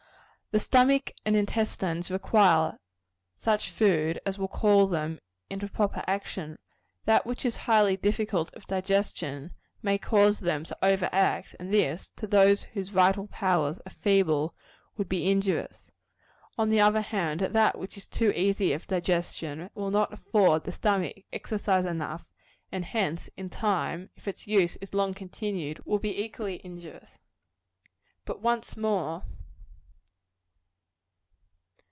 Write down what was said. The stomach and intestines require such food as will call them into proper action. That which is highly difficult of digestion may cause them to over act; and this, to those whose vital powers are feeble, would be injurious. On the other hand, that which is too easy of digestion, will not afford the stomach exercise enough; and hence, in time, if its use is long continued, will be equally injurious. But once more.